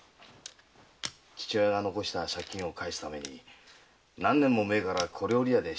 父親が残した借金を返すために何年も前から小料理屋で下働きをしてたんです。